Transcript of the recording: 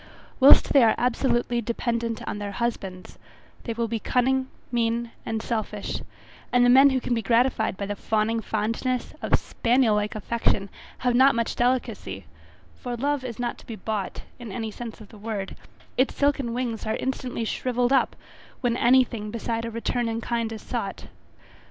Whilst they are absolutely dependent on their husbands, they will be cunning, mean, and selfish, and the men who can be gratified by the fawning fondness, of spaniel like affection, have not much delicacy, for love is not to be bought, in any sense of the word, its silken wings are instantly shrivelled up when any thing beside a return in kind is sought.